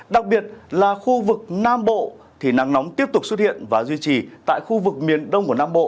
đặc biệt là khu vực nam bộ thì nắng nóng tiếp tục xuất hiện và duy trì tại khu vực miền đông của nam bộ